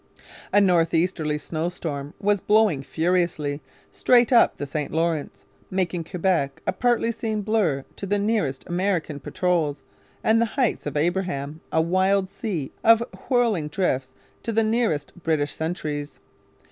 A north easterly snowstorm was blowing furiously, straight up the St Lawrence, making Quebec a partly seen blur to the nearest American patrols and the Heights of Abraham a wild sea of whirling drifts to the nearest British sentries.